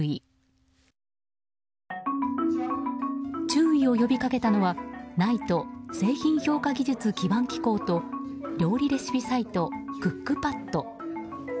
注意を呼びかけたのはＮＩＴＥ・製品評価技術基盤機構と料理レシピサイトクックパッド。